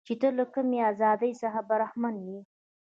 چې ته له کمې ازادۍ څخه برخمنه یې.